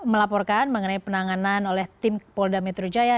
bahwa melaporkan mengenai penanganan oleh tim kapolda metro jaya